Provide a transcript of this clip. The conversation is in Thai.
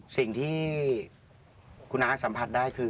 สิ่งที่คุณฮะสัมผัสได้คือ